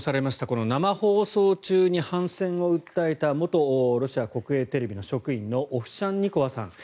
この生放送中に反戦を訴えた元ロシア国営テレビの職員のオフシャンニコワさん。